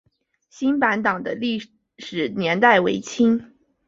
新坂堂的历史年代为清。